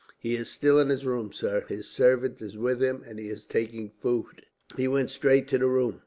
"He is still in his room, sir. His servant is with him, and he is taking food." He went straight to the room.